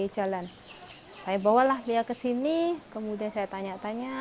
saya bawalah dia ke sini kemudian saya tanya tanya